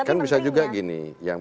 kan bisa juga gini